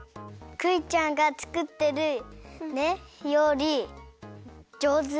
クイちゃんがつくってるりょうりじょうず！